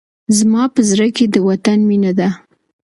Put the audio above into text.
زما په زړه کي د وطن مينه ده.